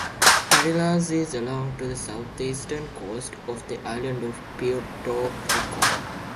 Patillas is along the southeastern coast of the island of Puerto Rico.